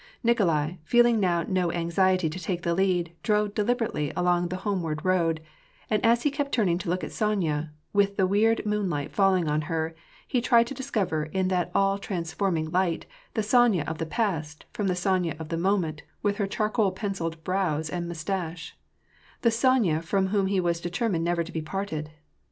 Nikolai, feeling now no anxiety to take the lead, drove delib erately along the homeward road ; and as he kept turning to look at Sonya, with the weird moonlight falling on her, he tried to discover in that all transforming light, the Sonya of the past from the Sonya of the moment with her charcoal pencilled brows and mustache, — the Sonya from whom he was determined never to be parted.